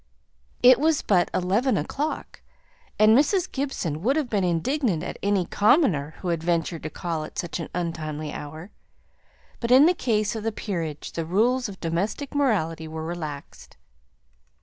It was but eleven o'clock, and Mrs. Gibson would have been indignant at any commoner who had ventured to call at such an untimely hour, but in the case of the Peerage the rules of domestic morality were relaxed.